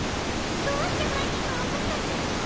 どうしてはんにんがわかったんですか？